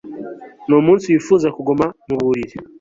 Numunsi wifuza kuguma mu buriri